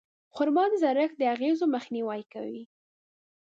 خرما د زړښت د اغېزو مخنیوی کوي.